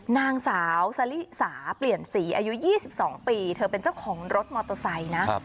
นางสาวสลิสาเปลี่ยนศรีอายุ๒๒ปีเธอเป็นเจ้าของรถมอเตอร์ไซค์นะ